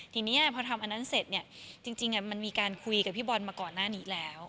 ทีนี้พอทำอันนั้นเสร็จเนี่ยจริงมันมีการคุยกับพี่บอลมาก่อนหน้านี้แล้ว